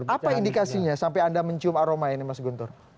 apa indikasinya sampai anda mencium aroma ini mas guntur